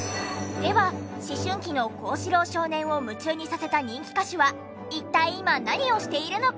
では思春期の幸四郎少年を夢中にさせた人気歌手は一体今何をしているのか？